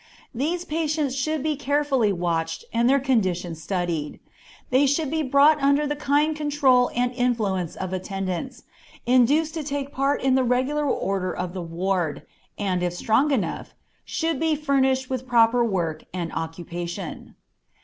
These patients should be carefully watched and their condition studied; they should be brought under the kind control and influence of attendants, induced to take part in the regular order of the ward, and, if strong enough, should be furnished with proper work and occupation.